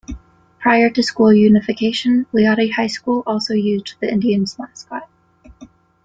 Prior to school unification, Leoti High School also used the Indians mascot.